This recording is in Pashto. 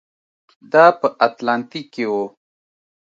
دا په اتلانتیک کې و.